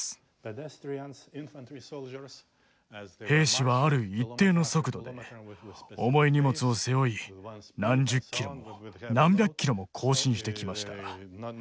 兵士はある一定の速度で重い荷物を背負い何十キロも何百キロも行進してきました。